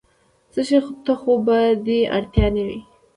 څه شي ته خو به دې اړتیا نه وي؟